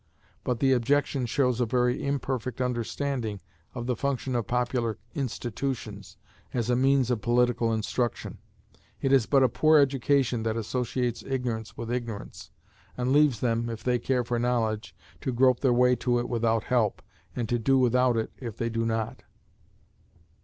But the objection shows a very imperfect understanding of the function of popular institutions as a means of political instruction. It is but a poor education that associates ignorance with ignorance, and leaves them, if they care for knowledge, to grope their way to it without help, and to do without it if they do not.